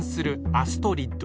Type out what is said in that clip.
アストリッド！